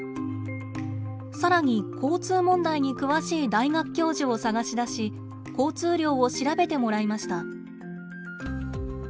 更に交通問題に詳しい大学教授を探し出し交通量を調べてもらいました。